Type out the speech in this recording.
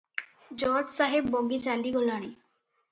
ଜଜ୍ ସାହେବ ବଗି ଚାଲିଗଲାଣି ।